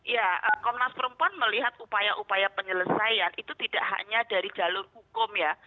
ya komnas perempuan melihat upaya upaya penyelesaian itu tidak hanya dari jalur hukum ya